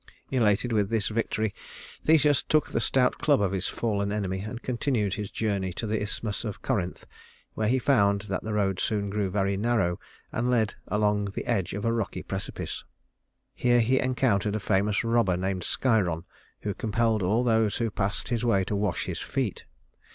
Elated with his victory, Theseus took the stout club of his fallen enemy and continued his journey to the Isthmus of Corinth, where he found that the road soon grew very narrow and led along the edge of a rocky precipice. Here he encountered a famous robber named Sciron, who compelled all those who passed his way to wash his feet.